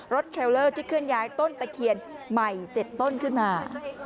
เทรลเลอร์ที่เคลื่อนย้ายต้นตะเคียนใหม่๗ต้นขึ้นมา